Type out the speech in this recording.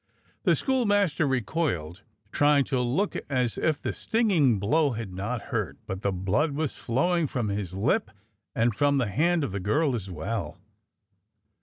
The schoolmaster recoiled, trying to look as if the stinging blow had not hurt, but the blood was flowing from his lip and from the hand of the girl as well.